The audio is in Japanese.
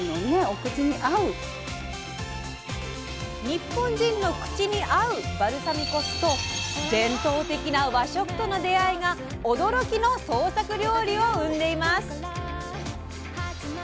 日本人の口に合うバルサミコ酢と伝統的な和食との出会いが驚きの創作料理を生んでいます。